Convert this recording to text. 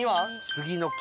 杉の木。